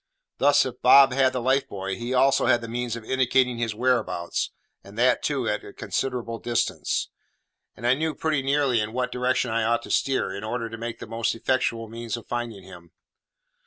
Thus, if Bob had the life buoy, he also had the means of indicating his whereabouts, and that, too, at a considerable distance. And I knew pretty nearly in what direction I ought to steer, in order to take the most effectual means of finding him.